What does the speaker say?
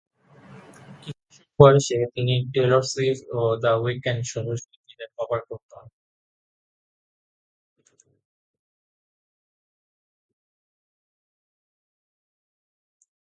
কিশোর বয়সে তিনি Taylor Swift ও দ্য উইকএন্ডসহ শিল্পীদের কভার করতেন।